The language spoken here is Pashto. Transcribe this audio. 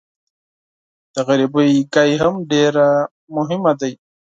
د غریبۍ خبره هم ډېره مهمه ده.